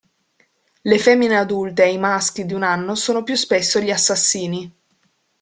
Le femmine adulte e i maschi di un anno sono più spesso gli assassini.